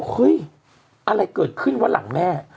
เฮ้ยอะไรเกิดขึ้นวะหลังแม่